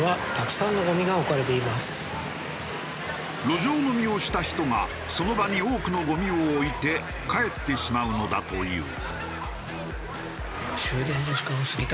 路上飲みをした人がその場に多くのごみを置いて帰ってしまうのだという。